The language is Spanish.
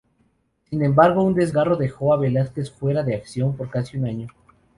Sin embargo, un desgarro dejo a Velásquez fuera de acción por casi un año.